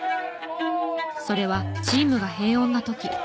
それはチームが平穏な時。